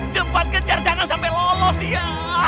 cepat kejar jangan sampai lolos dia